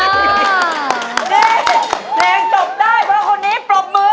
นี่เพลงจบได้เพราะคนนี้ปรบมือ